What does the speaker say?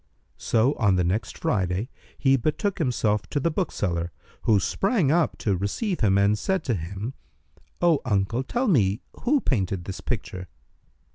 So on the next Friday he betook himself to the bookseller, who sprang up to receive him, and said to him, "Oh uncle, tell me who painted this picture."